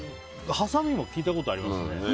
はさみも聞いたことありますね。